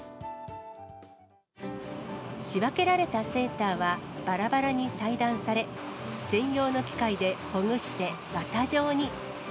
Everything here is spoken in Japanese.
仕分けられたセーターは、ばらばらに裁断され、専用の機械でほぐして綿状に。